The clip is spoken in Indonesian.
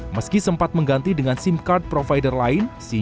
meski sempat mengganti dengan sim card provider lain